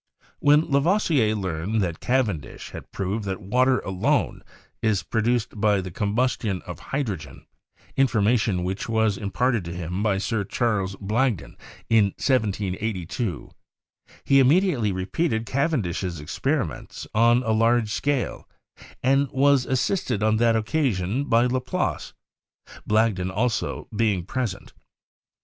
When Lavoisier learned that Cavendish had proved that water alone is produced by the combustion of hydrogen — information which was imparted to him by Sir Charles Blagden in 1782 — he immediately re peated Cavendish's experiments on a large scale, and was assisted on that occasion by Laplace, Blagden also being present.